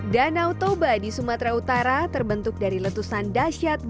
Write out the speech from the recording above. danau toba di sumatera utara terbentuk dari letusan dasyat